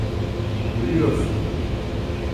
Ölüyorsun.